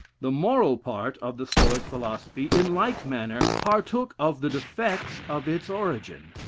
The moral part of the Stoical philosophy, in like manner, partook of the defects of its origin.